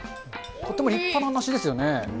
とっても立派な梨ですよね。